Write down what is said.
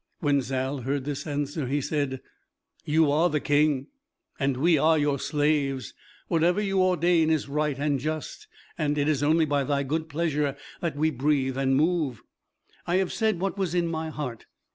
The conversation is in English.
When Zal heard this answer, he said: "You are the King, and we are your slaves. Whatever you ordain is right and just, and it is only by thy good pleasure that we breathe and move. I have said what was in my heart.